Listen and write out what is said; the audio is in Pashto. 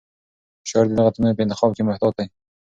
شاعر د لغتونو په انتخاب کې محتاط دی.